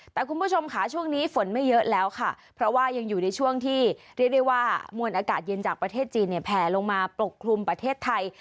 แต่คุณผู้ชมค่ะช่วงนี้ฝนไม่เยอะแล้วค่ะเพราะว่ายังอยู่ในช่วงที่เรียกได้ว่ามวลอากาศเย็นจากประเทศจีนเนี่ยแผลลงมาปกคลุมประเทศไทย